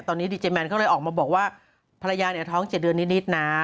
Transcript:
ตอนนี้ดีเจแมนเขาเลยออกมาบอกว่าภรรยาเนี่ยท้อง๗เดือนนิดนะ